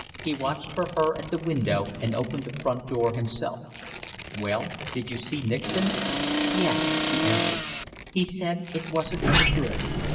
He watched for her at the window and opened the front door himself. "Well? Did you see Nixon?" "Yes," she answered. "He said it wasn't any good.